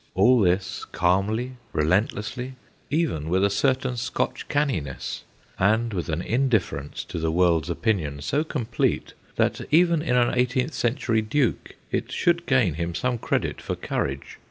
All this calmly, relent 68 THE GHOSTS OF PICCADILLY lessly, even with a certain Scotch canniness, and with an indifference to the world's opinion so complete that eren in an eighteenth century duke it should gain him some credit for courage.